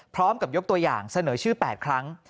พร้อมกับยกตัวอย่างเสนอชื่อ๘ครั้ง